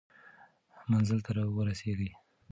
منزل ته ورسېږئ.